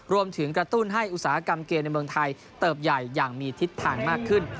รวมถึงกระตุ้นให้อุตสาหกรรมเกมในเมืองไทยเติบใหญ่อย่างมีทิศทางมากขึ้น